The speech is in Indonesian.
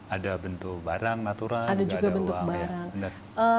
ada bentuk barang natural ada juga bentuk uang